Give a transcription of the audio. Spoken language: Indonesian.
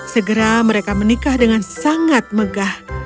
segera mereka menikah dengan sangat megah